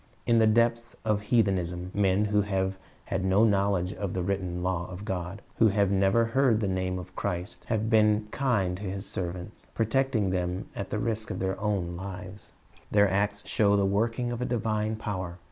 In the depths of heathenism, men who have had no knowledge of the written law of God, who have never even heard the name of Christ, have been kind to His serv ants, protecting them at the risk of their own lives Their acts show the working of a divine power.